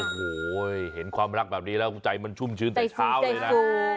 โอ้โหเห็นความรักแบบนี้แล้วใจมันชุ่มชื้นแต่เช้าเลยนะ